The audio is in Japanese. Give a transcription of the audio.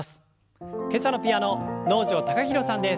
今朝のピアノ能條貴大さんです。